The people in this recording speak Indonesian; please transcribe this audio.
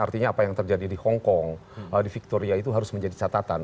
artinya apa yang terjadi di hongkong di victoria itu harus menjadi catatan